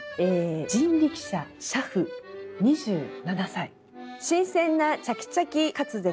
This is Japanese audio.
「人力車俥夫２７歳新鮮なチャキチャキ滑舌